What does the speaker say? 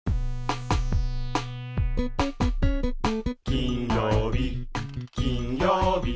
きんようびきんようび